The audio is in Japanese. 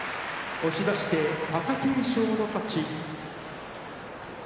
押し出しで貴景勝の勝ち。